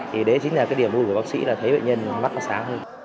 thì đấy chính là cái điểm vui của bác sĩ là thấy bệnh nhân mắc sáng hơn